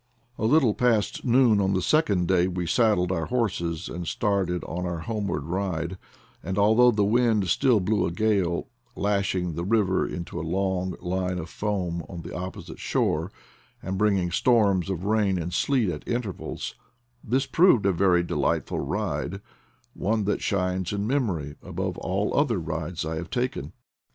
A little past noon on the second day we saddled our horses and started on our homeward ride; and although the wind still blew a gale, lashing the river into a long line of foam on the opposite shore, and bringing storms of rain and sleet at intervals, this proved a very delightful ride, one that shines in memory above all other rides I have taken.